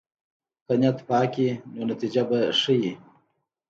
که نیت پاک وي، نو نتیجه به ښه وي.